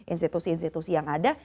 institusi institusi yang ada